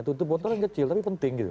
tutup botolnya kecil tapi penting gitu loh